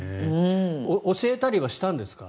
教えたりはしたんですか？